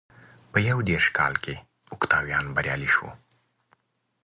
په یو دېرش کال کې اوکتاویان بریالی شو.